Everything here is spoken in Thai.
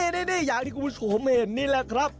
นี่อย่างที่คุณผู้ชมเห็นนี่แหละครับ